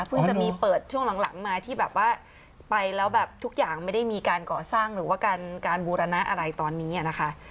จะมีเปิดช่วงหลังมาที่แบบว่าไปแล้วแบบทุกอย่างไม่ได้มีการก่อสร้างหรือว่าการบูรณะอะไรตอนนี้นะคะ